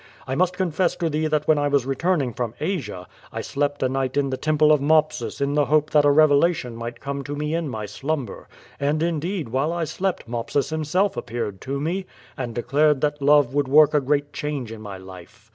I must confess to thee that when I was returning from Asia, I slept a night in the temple of Mopsus in the hope that a revelation might come to me in my slumber. And indeed while I slept Mopsus himself appeared to me, and declared that love would work a great change in my life."